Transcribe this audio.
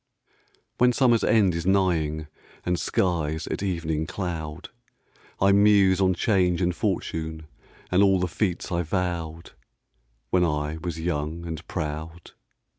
When summer's end is nighing And skies at evening cloud, I muse on change and fortune And all the feats I vowed When I was young and proud.